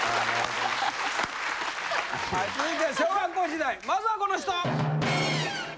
はい続いては小学校時代まずはこの人！